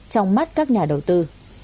trong mắt các nhà đầu tư